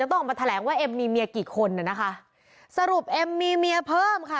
ต้องออกมาแถลงว่าเอ็มมีเมียกี่คนน่ะนะคะสรุปเอ็มมีเมียเพิ่มค่ะ